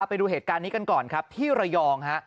ไปดูเหตุการณ์นี้กันก่อนครับที่ระยองฮะ